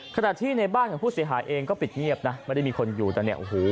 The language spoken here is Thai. ขณะที่ในบ้านของผู้เสียหายเองก็ปิดเงียบนะไม่ได้มีคนอยู่แต่เนี่ยโอ้โห